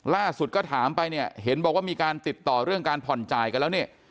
ล่าสุดก็ถามไปเนี่ยเห็นบอกว่ามีการติดต่อเรื่องการผ่อนจ่ายกันแล้วเนี่ย